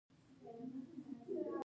هغه تر یوې ناکامې کودتا وروسته بندي شو.